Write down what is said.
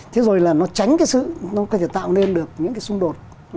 thế rồi là nó tránh cái sự nó có thể tạo nên được những cái xung đột